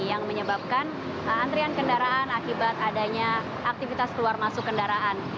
yang menyebabkan antrian kendaraan akibat adanya aktivitas keluar masuk kendaraan